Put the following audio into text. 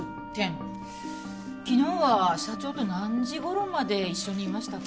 昨日は社長と何時頃まで一緒にいましたか？